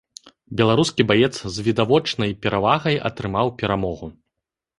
Беларускі баец з відавочнай перавагай атрымаў перамогу.